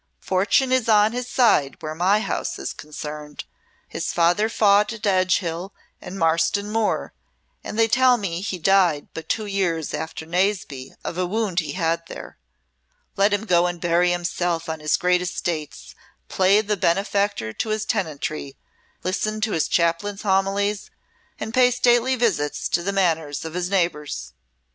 fortune is on his side where my house is concerned. His father fought at Edgehill and Marston Moor, and they tell me died but two years after Naseby of a wound he had there. Let him go and bury himself on his great estates, play the benefactor to his tenantry, listen to his Chaplain's homilies, and pay stately visits to the manors of his neighbours."